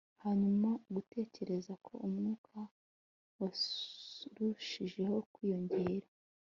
hanyuma, gutekereza ko umwuka warushijeho kwiyongera